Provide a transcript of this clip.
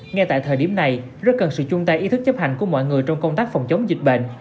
ngay tại thời điểm này rất cần sự chung tay ý thức chấp hành của mọi người trong công tác phòng chống dịch bệnh